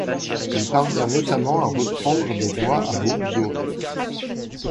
Il parvient notamment à reprendre des voix à Aube dorée.